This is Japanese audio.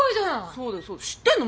そうだよえっ知ってんの？